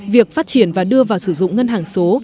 việc phát triển và đưa vào sử dụng ngân hàng số